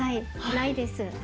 ないです。